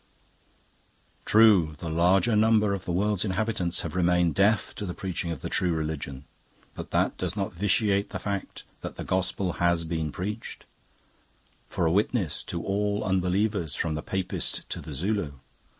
True, the larger number of the world's inhabitants have remained deaf to the preaching of the true religion; but that does not vitiate the fact that the Gospel HAS been preached 'for a witness' to all unbelievers from the Papist to the Zulu.